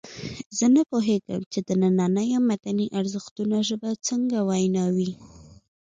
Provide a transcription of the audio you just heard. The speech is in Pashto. زه نه پوهېږم چې د نننیو مدني ارزښتونو ژبه څنګه وینا وي.